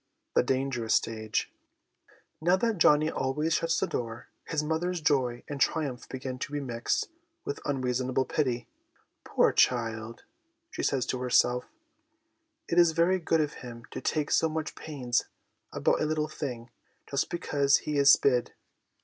The Dangerous Stage. Now that Johnny always shuts the door, his mother's joy and triumph begin to be mixed with unreasonable pity. ' Poor child,' she says to herself, ' it is very good of him to take so 124 HOME EDUCATION much pains about a little thing, just because he is bid